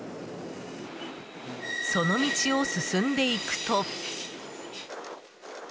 その道を進んで行くと。